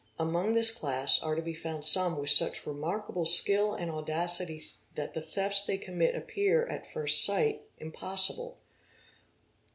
. 1 Among this class are to be found some with such remarkable skill and audacity that the thefts they commit appear, at first sight, impossible.